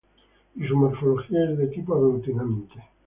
Y su morfología es de tipo aglutinante.